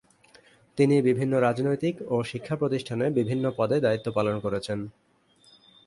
তিনি বিভিন্ন রাজনৈতিক ও শিক্ষাপ্রতিষ্ঠানে বিভিন্ন পদে দায়িত্ব পালন করেছেন।